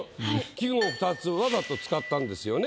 季語２つわざと使ったんですよね。